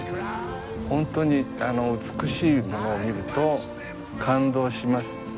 本当に美しいものを見ると感動します。